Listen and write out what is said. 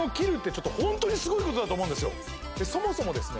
そもそもですね